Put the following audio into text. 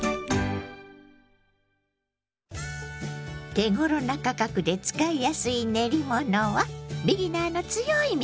手ごろな価格で使いやすい練り物はビギナーの強い味方。